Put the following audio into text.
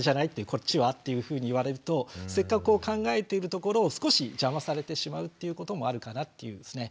こっちは？っていうふうに言われるとせっかく考えているところを少し邪魔されてしまうっていうこともあるかなっていうですね